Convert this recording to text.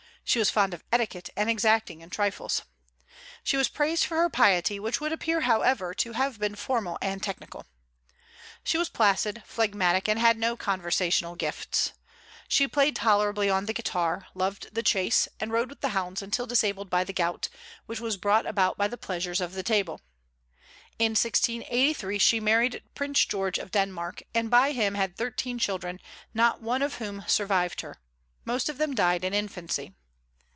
She was fond of etiquette, and exacting in trifles. She was praised for her piety, which would appear however to have been formal and technical. She was placid, phlegmatic, and had no conversational gifts. She played tolerably on the guitar, loved the chase, and rode with the hounds until disabled by the gout, which was brought about by the pleasures of the table. In 1683 she married Prince George of Denmark, and by him had thirteen children, not one of whom survived her; most of them died in infancy.